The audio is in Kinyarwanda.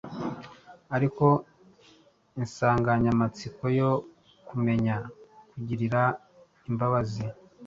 ariko insanganyamatsiko yo kumenya kugirira imbabazi